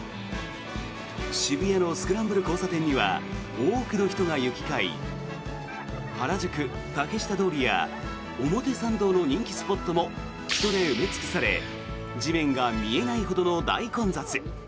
渋谷のスクランブル交差点には多くの人が行き交い原宿・竹下通りや表参道などの人気スポットも人で埋め尽くされ地面が見えないほどの大混雑。